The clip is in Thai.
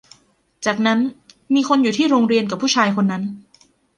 จากนั้นมีคนอยู่ที่โรงเรียนกับผู้ชายคนนั้น